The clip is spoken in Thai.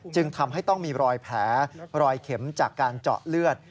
จึงทำให้ต้องมีรอยแผลรอยเข็มจากการเจาะเลือด